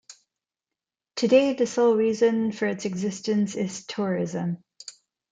Today the sole reason for its existence is tourism.